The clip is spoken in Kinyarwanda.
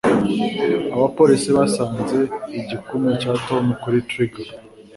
Abapolisi basanze igikumwe cya Tom kuri trigger.